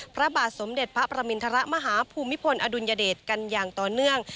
พระบาทสมเด็จพระประมินทรมาฮภูมิพลอดุลยเดชกันอย่างต่อเนื่อง